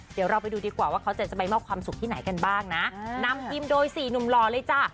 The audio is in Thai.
เดี๋ยวเราไปดูดีกว่าว่าเขาจะไปมอบความสุขที่ไหนกันบ้างนะนำทีมโดยสี่หนุ่มหล่อเลยจ้ะ